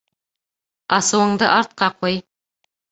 Асыуыңды артҡа ҡуй.